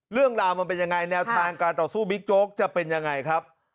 เรื่องราวมันเป็นยังไงแนวทางการต่อสู้บิ๊กโจ๊กจะเป็นยังไงครับ